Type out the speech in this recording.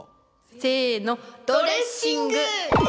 せのドレッシング！